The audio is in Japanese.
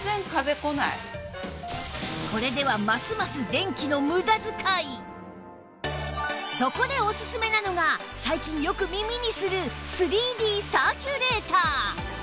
これではますますそこでオススメなのが最近よく耳にする ３Ｄ サーキュレーター